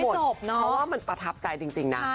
เพราะว่ามันประทับใจจริงนะ